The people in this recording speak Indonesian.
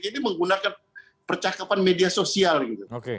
ini menggunakan percakapan media sosial gitu